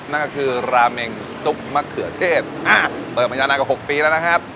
นั่นนั่นคือราเมนซุปมะเขือเทศอ่ะเปิดมันยานานกว่าหกปีแล้วนะครับ